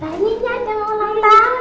banyanya ada ulang tahun nih